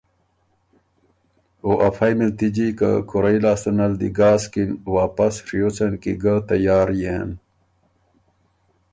او افئ مِلتِجی که کُورئ لاسته نل دی ګاسکِن، واپس ڒیوڅن کی ګۀ تیار يېن